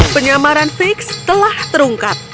penyamaran figgs telah terungkap